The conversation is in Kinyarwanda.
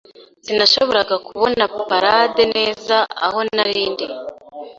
Sinashoboraga kubona parade neza aho nari ndi.